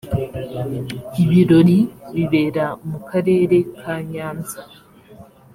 ibirori bibera mu karere ka nyanza.